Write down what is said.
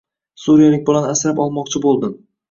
Suriyalik bolani asrab olmoqchi bo‘ldim.